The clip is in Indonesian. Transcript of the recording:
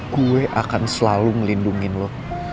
gue akan selalu melindungi lo